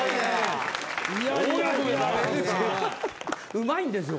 うまいんですよ